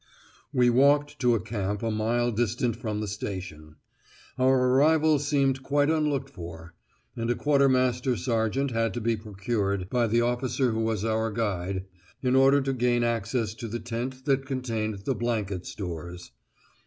We walked to a camp a mile distant from the station; our arrival seemed quite unlooked for, and a quartermaster sergeant had to be procured, by the officer who was our guide, in order to gain access to the tent that contained the blanket stores.